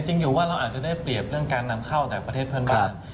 จริงอยู่ว่าเราอาจจะได้เปรียบเรื่องการนำเข้าออกกากประเทศเพิ่มการ